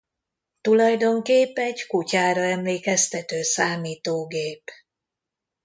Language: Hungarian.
Tulajdonképp egy kutyára emlékeztető számítógép.